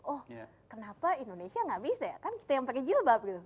oh kenapa indonesia nggak bisa ya kan kita yang pakai jilbab gitu